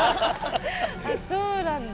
あそうなんだ。